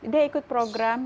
dia ikut program